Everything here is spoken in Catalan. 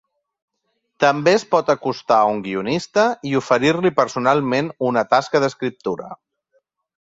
També es pot acostar a un guionista i oferir-li personalment una tasca d'escriptura.